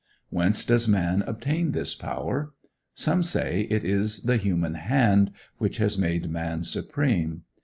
Whence does man obtain this power? Some say it is the human hand which has made man supreme.